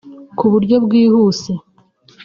ku buryo bwihuse